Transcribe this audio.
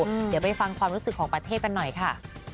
เดี๋ยวไปฟังความรู้สึกของประเทศกันหน่อยค่ะ